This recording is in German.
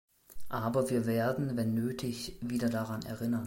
Aber wir werden, wenn nötig, wieder daran erinnern.